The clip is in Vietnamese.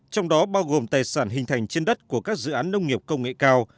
trong đó bao gồm tài sản hình thành trên đất của các dự án nông nghiệp công nghệ cao